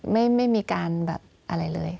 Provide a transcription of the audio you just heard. ไม่มีการแบบอะไรเลย